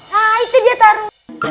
nah itu dia taruh